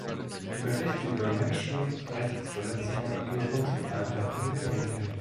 Die Berichte über Menschenrechtsverletzungen gehören zum Alltag in den Medien.